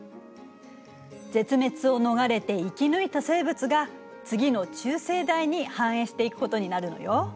絶滅を逃れて生き抜いた生物が次の中生代に繁栄していくことになるのよ。